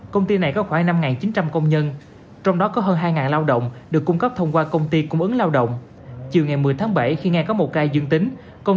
công ty này có khoảng năm chín trăm linh công nhân trong đó có hơn hai lao động được cung cấp thông qua công ty cung ứng lao động